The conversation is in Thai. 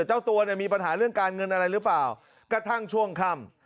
เจ้าตัวเนี่ยมีปัญหาเรื่องการเงินอะไรหรือเปล่ากระทั่งช่วงค่ำ